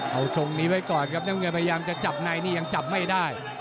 เอาทรงนี้ไว้ก่อนครับน้ำเงินพยายามจะจับในนี่ยังจับไม่ได้